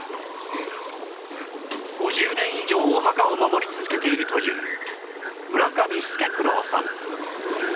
５０年以上お墓を守り続けているという村上助九郎さん